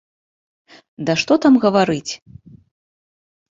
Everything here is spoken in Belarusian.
Да што там гаварыць!